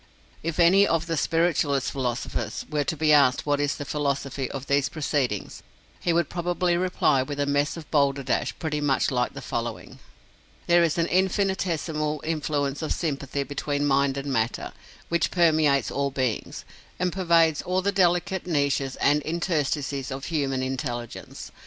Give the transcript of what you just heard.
If any of the "spiritualist" philosophers were to be asked what is the philosophy of these proceedings, he would probably reply with a mess of balderdash pretty much like the following: "There is an infinitesimal influence of sympathy between mind and matter, which permeates all beings, and pervades all the delicate niches and interstices of human intelligence.